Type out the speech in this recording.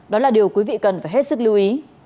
đó là điều quý vị cần phải hết sức lưu ý